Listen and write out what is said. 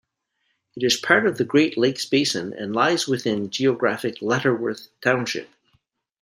It is part of the Great Lakes Basin and lies within geographic Lutterworth Township.